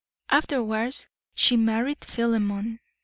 Afterwards she married Philemon.